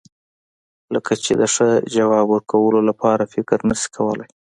کله چې د ښه ځواب ورکولو لپاره فکر نشې کولای.